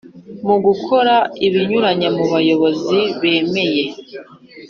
mugukora binyuze mubayobozi bemeye